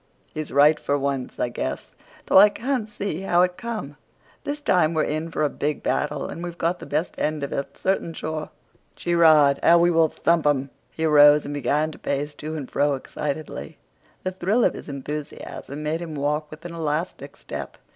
"He's right for once, I guess, though I can't see how it come. This time we're in for a big battle, and we've got the best end of it, certain sure. Gee rod! how we will thump 'em!" He arose and began to pace to and fro excitedly. The thrill of his enthusiasm made him walk with an elastic step.